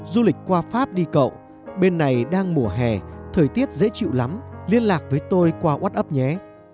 du lịch qua pháp đi cậu bên này đang mùa hè thời tiết dễ chịu lắm liên lạc với tôi qua wtop nhé